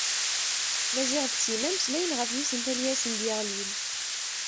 Maziɣ d Sima mmeslayen ɣef yisental i asen-d-yeɣlin.